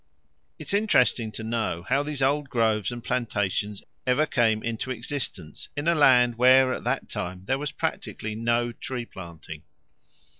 It is interesting to know how these old groves and plantations ever came into existence in a land where at that time there was practically no tree planting.